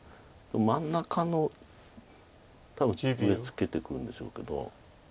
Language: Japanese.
真ん中の多分上ツケてくるんでしょうけど。